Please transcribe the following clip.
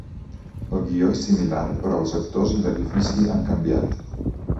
El guió és similar però els actors i l'edifici han canviat.